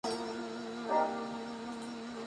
Se encuentra en el Brasil: Santa Catarina.